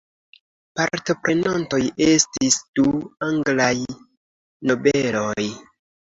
Partoprenantoj estis du anglaj nobeloj.